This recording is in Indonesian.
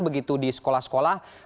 begitu di sekolah sekolah